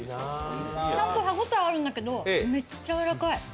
ちゃんと歯応えあるんだけどめっちゃ柔らかい。